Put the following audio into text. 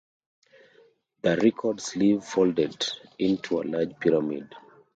The record sleeve folded into a large pyramid.